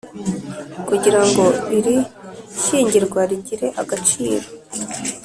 Kugira ngo iri shyingirwa rigire agaciro